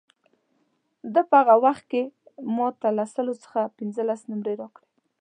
ده په هغه وخت کې ما ته له سلو څخه پنځلس نمرې راکړې.